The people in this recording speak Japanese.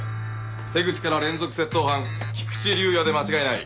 手口から連続窃盗犯菊池竜哉で間違いない。